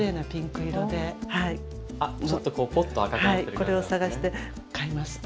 これを探して買います。